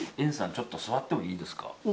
ちょっと座ってもいいですか。